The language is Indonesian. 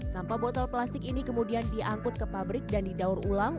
sampah botol plastik ini kemudian diangkut ke pabrik dan didaur ulang